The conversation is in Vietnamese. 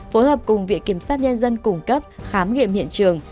phối hợp cùng viện kiểm sát nhân dân cung cấp khám nghiệm hiện trường